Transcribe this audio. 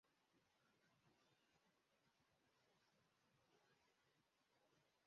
itsinda ryabakobwa bicaye hamwe baganira